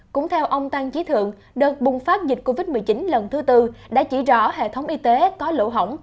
cũng theo ông tăng trí thượng đợt bùng phát dịch covid một mươi chín lần thứ tư đã chỉ rõ hệ thống y tế có lỗ hỏng